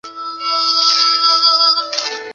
一阵子没看到妳